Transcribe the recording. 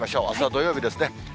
あすは土曜日ですね。